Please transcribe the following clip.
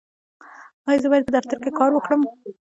ایا زه باید په دفتر کې کار وکړم؟